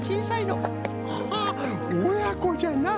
ハハおやこじゃな。